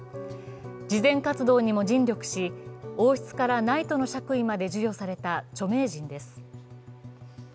慈善活動にも尽力し王室からナイトの爵位まで授与された著名人です。